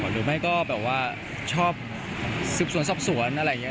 หรือไม่ก็แบบว่าชอบสืบสวนสอบสวนอะไรอย่างนี้